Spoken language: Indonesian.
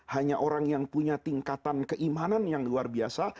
hanya orang yang punya tingkatan keimanan yang luar biasa